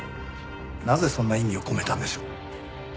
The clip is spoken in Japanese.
なぜそんな意味を込めたんでしょう？